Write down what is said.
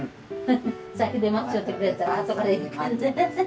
先に待っちょってくれたらあとから行くけんね。